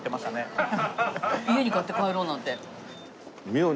家に買って帰ろうなんて。